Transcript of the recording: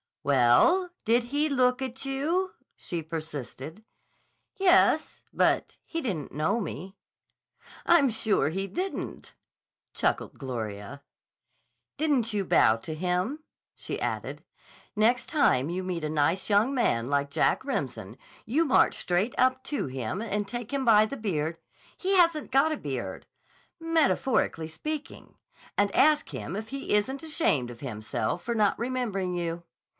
"Well, did he look at you?" she persisted. "Yes. But he didn't know me." "I'm sure he didn't," chuckled Gloria. "Didn't you bow to him?" she added. "Next time you meet a nice young man like Jack Remsen, you march straight up to him and take him by the beard—" "He hasn't got a beard." "—metaphorically speaking, and ask him if he isn't ashamed of himself for not remembering you.